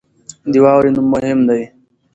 د واورې نوم مهم دی.